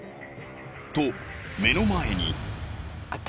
と目の前に。